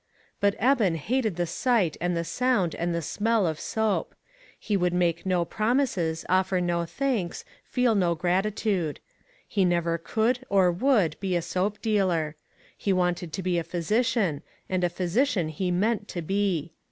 But Eben hated the sight and the sound and the smell of soap. He would make no promises, offer no thanks, feel no grati tude. He never could or would be a soap dealer. He wanted to be a physician, and a physician he meant to be.